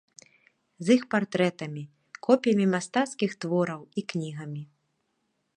З іх партрэтамі, копіямі мастацкіх твораў і кнігамі.